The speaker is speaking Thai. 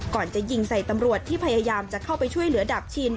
ก่อนจะยิงใส่ตำรวจที่พยายามจะเข้าไปช่วยเหลือดาบชิน